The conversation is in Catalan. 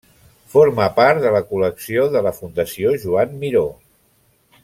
Forma part de la col·lecció de la Fundació Joan Miró.